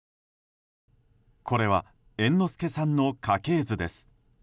これは猿之助さんの家系図です。